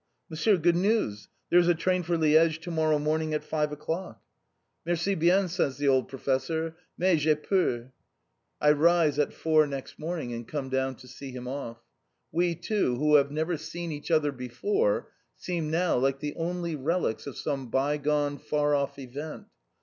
"Monsieur, good news! there is a train for Liège to morrow morning at five o'clock!" "Merci bien," says the old professor. "Mais, j'ai peur!" I rise at four next morning and come down to see him off. We two, who have never seen each other before, seem now like the only relics of some bygone far off event.